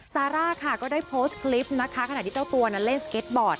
ซาร่าค่ะก็ได้โพสต์คลิปนะคะขณะที่เจ้าตัวนั้นเล่นสเก็ตบอร์ด